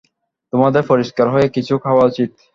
তোমাদের পরিষ্কার হয়ে কিছু খাওয়া উচিত।